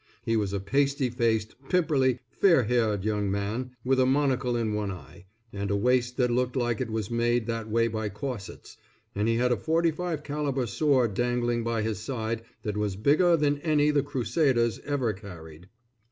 He was a pasty faced, pimperly, fair haired young man, with a monocle in one eye, and a waist that looked like it was made that way by corsets, and he had a 45 calibre sword dangling by his side that was bigger than any the Crusaders ever carried.